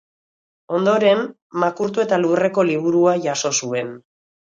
Ondoren, makurtu eta lurreko liburua jaso zuen.